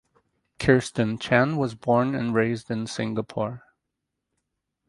Kirstin Chen was born and raised in Singapore.